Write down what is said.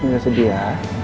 gak sedih ya